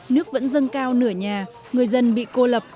nước vẫn dâng cao nửa nhà người dân bị cô lập